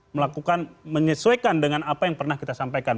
melakukan menyesuaikan dengan apa yang pernah kita sampaikan